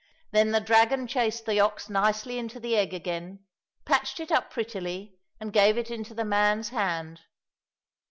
Then the dragon chased the ox nicely into the egg again, patched it up prettily and gave it into the man's hand.